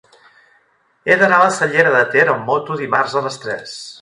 He d'anar a la Cellera de Ter amb moto dimarts a les tres.